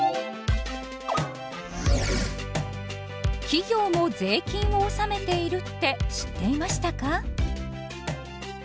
企業も税金を納めているって知っていましたか？